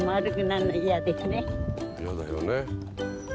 嫌だよね。